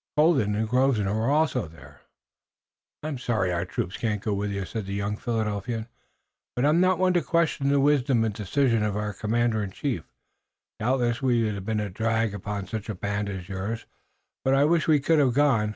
Colden and Grosvenor were also there. "I'm sorry our troop can't go with you," said the young Philadelphian, "but I'm not one to question the wisdom and decision of our commander in chief. Doubtless we'd be a drag upon such a band as yours, but I wish we could have gone.